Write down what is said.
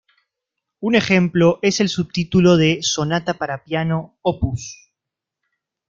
Un ejemplo es el subtítulo de la "Sonata para piano Op.